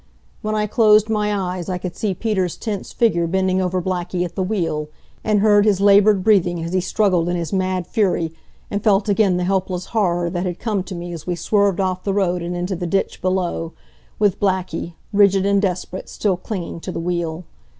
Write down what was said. When I closed my eyes I could see Peter's tense figure bending over Blackie at the wheel, and heard his labored breathing as he struggled in his mad fury, and felt again the helpless horror that had come to me as we swerved off the road and into the ditch below, with Blackie, rigid and desperate, still clinging to the wheel.